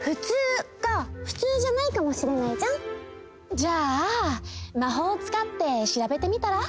じゃあ魔法をつかってしらべてみたら？